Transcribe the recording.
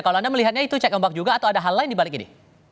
kalau anda melihatnya itu cek ombak juga atau ada hal lain dibalik ini